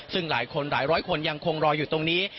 ซึ่งหลายคนหลายร้อยคนยังคงรออยู่ตรงนี้